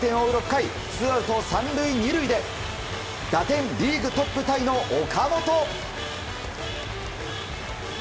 ６回ツーアウト３塁２塁で打点リーグトップタイの岡本。